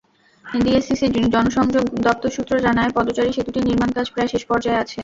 ডিএসসিসির জনসংযোগ দপ্তর সূত্র জানায়, পদচারী-সেতুটির নির্মাণকাজ প্রায় শেষ পর্যায়ে আছে।